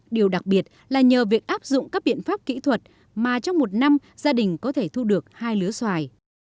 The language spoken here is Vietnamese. điều đặc biệt là nhờ việc áp dụng các biện pháp kỹ thuật mà trong một năm gia đình có thể thu được hai lứa xoài